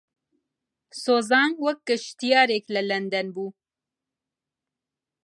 سۆزان وەک گەشتیارێک لە لەندەن بوو.